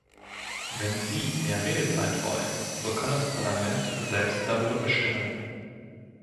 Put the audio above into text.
Wenn Sie mehr Redezeit wollen, so kann das Parlament selbst darüber bestimmen.